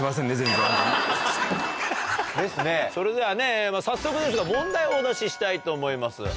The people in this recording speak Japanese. それではね早速ですが問題をお出ししたいと思います。